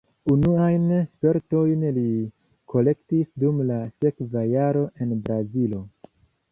Unuajn spertojn li kolektis dum la sekva jaro en Brazilo.